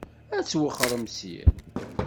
Ad twexxṛem syin?